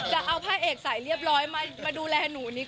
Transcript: จะเอาพระเอกสายเรียบร้อยมาดูแลหนูนิด